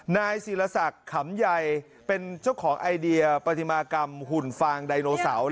นายศิรศักดิ์ขำใยเป็นเจ้าของไอเดียปฏิมากรรมหุ่นฟางไดโนเสาร์